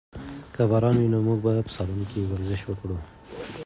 که باران وي نو موږ به په سالون کې ورزش وکړو.